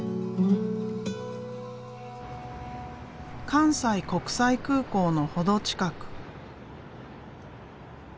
関西国際空港の程近く。